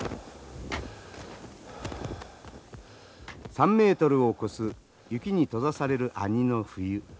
３メートルを超す雪に閉ざされる阿仁の冬。